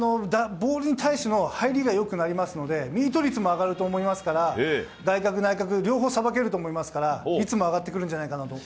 ボールに対しての入りが良くなりますのでミート率も上がると思いますから外角、内角両方さばけると思いますから率も上がってくると思います。